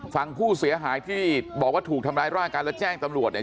ฝั่งผู้เสียหายที่บอกว่าถูกทำร้ายร่างกายแล้วแจ้งตำรวจเนี่ย